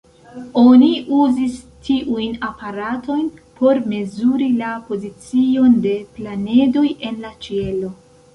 Oni uzis tiujn aparatojn por mezuri la pozicion de planedoj en la ĉielo.